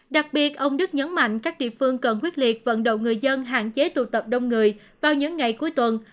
đặc biệt ông đức nhấn mạnh các địa phương cần quyết liệt vận động người dân hạn chế tụ tập đông người vào những ngày cuối tuần